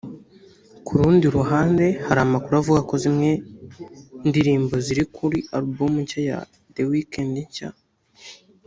Ku rundi ruhande hari amakuru avuga ko zimwe ndirimbo ziri kuri album nshya ya The weekend nshya